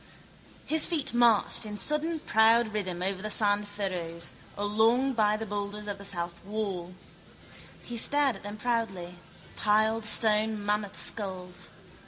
His feet marched in sudden proud rhythm over the sand furrows, along by the boulders of the south wall. He stared at them proudly, piled stone mammoth skulls.